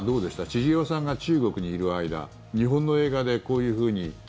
千々岩さんが中国にいる間日本の映画でこういうふうに。